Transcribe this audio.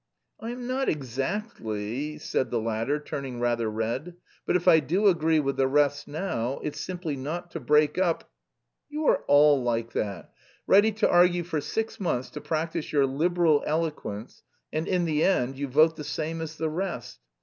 "I am not exactly..." said the latter, turning rather red, "but if I do agree with the rest now, it's simply not to break up " "You are all like that! Ready to argue for six months to practise your Liberal eloquence and in the end you vote the same as the rest!